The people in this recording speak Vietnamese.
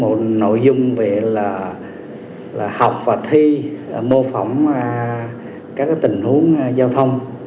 một nội dung về là học và thi mô phỏng các tình huống giao thông